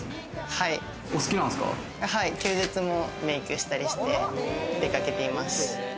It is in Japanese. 休日もメークしたりして出かけています。